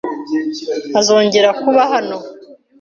Azongera kuba hano.